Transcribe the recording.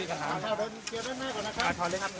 สุดท้ายละ